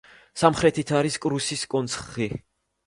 სამხრეთით არის კრუსის კონცხი.